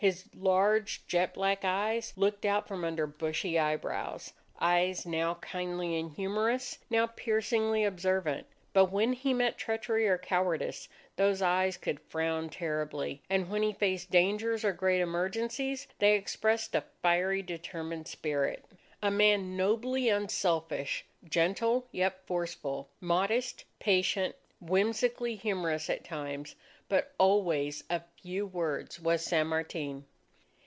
His large, jet black eyes looked out from under bushy eyebrows; eyes now kindly and humorous, now piercingly observant. But when he met treachery or cowardice those eyes could frown terribly, and when he faced dangers or great emergencies, they expressed a fiery determined spirit. A man nobly unselfish, gentle yet forceful, modest, patient, whimsically humorous at times, but always of few words was San Martin.